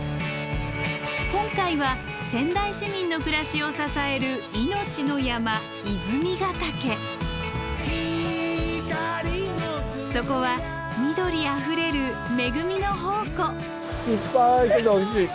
今回は仙台市民の暮らしを支える命の山そこは緑あふれる恵みの宝庫。